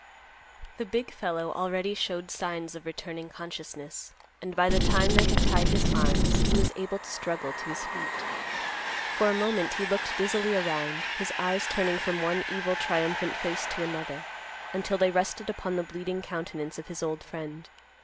The big fellow already showed signs of returning consciousness, and, by the time they had tied his arms, he was able to struggle to his feet. For a moment he looked dizzily around, his eyes turning from one evil, triumphant face to another, until they rested upon the bleeding countenance of his old friend.